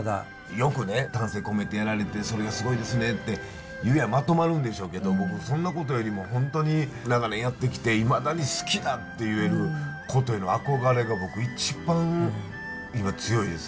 よくね丹精込めてやられてそれがすごいですねって言やまとまるんでしょうけど僕そんなことよりも本当に長年やってきていまだに好きだって言えることへの憧れが僕一番今強いです。